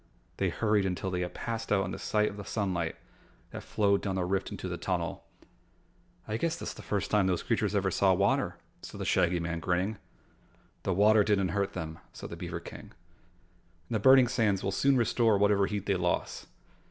They hurried until they had passed out of sight of the sunlight that flowed down the rift into the tunnel. "I guess that's the first time those critters ever saw water," said the Shaggy Man grinning. "The water didn't hurt them," said the beaver King, "and the burning sands will soon restore whatever heat they lost.